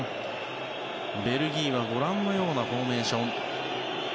ベルギーはご覧のようなフォーメーション。